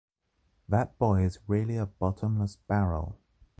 That boy is really a bottomless barrel.